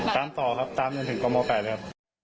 ตามต่อครับตามจนถึงกล้องเมาส์๘นะครับ